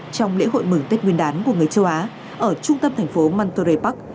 trong lễ hội mừng tết nguyên đán của người châu á ở trung tâm thành phố mantre park